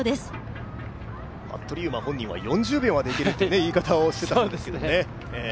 服部勇馬本人は４０秒までいけるという言い方をしていましたよね。